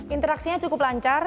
interaksinya cukup lancar